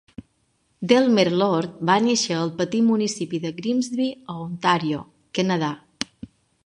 Delmer Lord va néixer al petit municipi de Grimsby, a Ontàrio, Canadà.